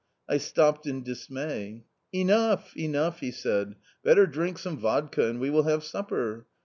I stopped in dismay. "Enough, enough," he said, "better drink some vodka and we will have supper.